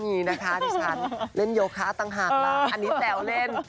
มีนะคะดิฉันเล่นโยคะต่างหากนะอันนี้แซวเล่น